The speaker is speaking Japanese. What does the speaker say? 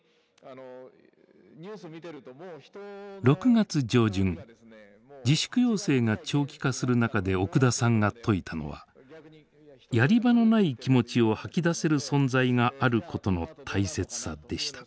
６月上旬自粛要請が長期化する中で奥田さんが説いたのはやり場のない気持ちを吐き出せる存在があることの大切さでした。